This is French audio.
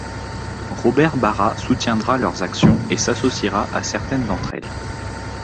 Robert Barrat soutiendra leurs actions et s'associera à certaines d'entre elles.